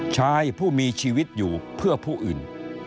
ชายผู้มีชีวิตอยู่เพื่อผู้อื่น